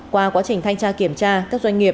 qua quá trình thanh tra kiểm tra các doanh nghiệp